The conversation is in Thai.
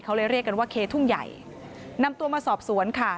เขาเลยเรียกกันว่าเคทุ่งใหญ่นำตัวมาสอบสวนค่ะ